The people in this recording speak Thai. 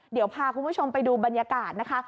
เดี๋ยวพาคุณผู้ชมไปดูบรรยากาศนะคะ